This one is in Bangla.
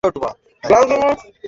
ভালো করে শোন।